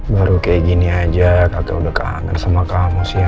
baru kayak gini aja atau udah kangen sama kamu sih